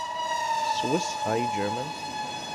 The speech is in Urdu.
Swiss High German